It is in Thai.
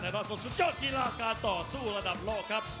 และรักษาสุดยอดกีลาการต่อสู้ระดับหลอกครับ